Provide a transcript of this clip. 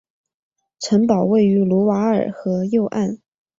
城堡位于卢瓦尔河右岸。